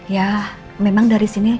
ya memang dari sini